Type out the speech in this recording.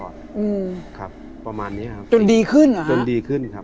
อเจมส์ประมาณนี้ครับจนดีขึ้นหรือครับอเจมส์จนดีขึ้นครับ